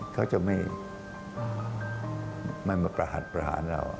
เขาจะไม่มาประหัสเรา